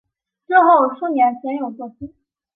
之后数年鲜有作品。